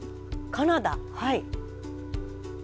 カナダはい。